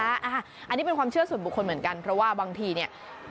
อันนี้เป็นความเชื่อส่วนบุคคลเหมือนกันเพราะว่าบางทีเนี่ย